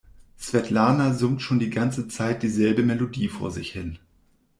Svetlana summt schon die ganze Zeit dieselbe Melodie vor sich hin.